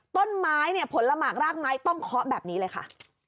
ต้นไม้เนี่ยผลหมากรากไม้ต้องเคาะแบบนี้เลยค่ะ